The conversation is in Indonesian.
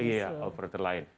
iya operator lain